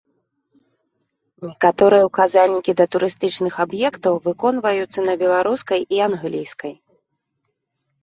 Некаторыя указальнікі да турыстычных аб'ектаў выконваюцца на беларускай і англійскай.